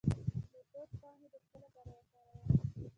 د توت پاڼې د څه لپاره وکاروم؟